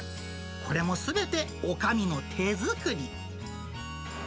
これもすべておかみの手作り。